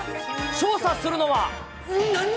調査するのは。